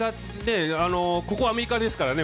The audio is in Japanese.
ここ、アメリカですからね。